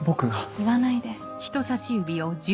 言わないで。